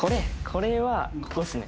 これはここっすね！